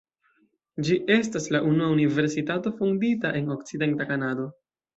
Ĝi estis la unua universitato fondita en okcidenta Kanado.